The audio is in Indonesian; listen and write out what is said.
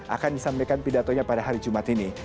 akan disampaikan pidatonya pada hari jumat ini